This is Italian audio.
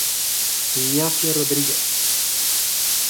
Ignacio Rodríguez